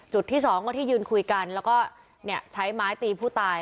ที่สองก็ที่ยืนคุยกันแล้วก็ใช้ไม้ตีผู้ตาย